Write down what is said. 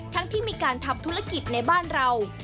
ที่มีการทำธุรกิจในบ้านเรา